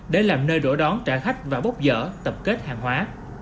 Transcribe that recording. để làm nơi đổ đón trả khách và bốc dở tập kết hàng hóa